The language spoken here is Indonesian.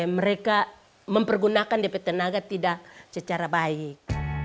mereka mempergunakan dpt tenaga tidak secara baik